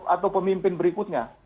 atau pemimpin berikutnya